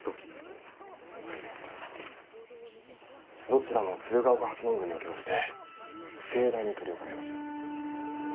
どちらも鶴岡八幡宮におきまして盛大に執り行います。